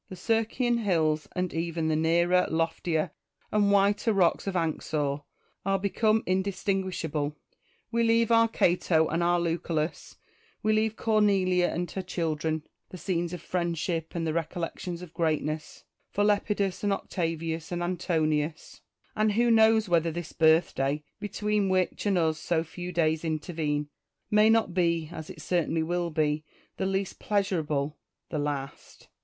The Circean hills, and even the nearer, loftier, and whiter rocks of Anxur, are become indistinguishable. We leave our Cato and our Lucullus ; we leave Cornelia and her children, the scenes of friendship and the recol lections of greatness, for Lepidus and Octavius and Antonius ; and who knows whether this birthday, between which and us so few days intervene, may not be, as it cer tainly will be the least pleasurable, the last